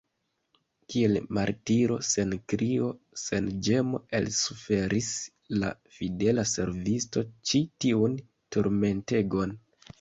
Kiel martiro, sen krio, sen ĝemo elsuferis la fidela servisto ĉi tiun turmentegon.